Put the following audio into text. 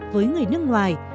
với người nước ngoài